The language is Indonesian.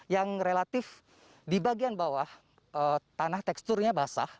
yang relatif di bagian bawah tanah teksturnya basah